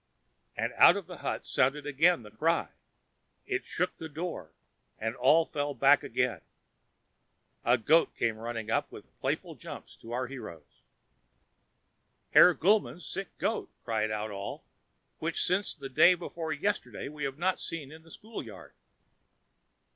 And out of the hut sounded again the cry; it shook the door, and all fell back again. A goat came running up, with playful jumps, to our heroes. "Herr Gulmann's sick goat!" cried out all, "which, since the day before yesterday, we have not seen in the schoolyard."